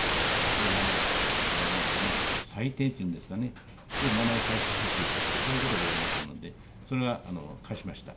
平和の祭典っていうんですかね、ちょっと名前貸してほしいと、こういうことがございましたので、それは、貸しました。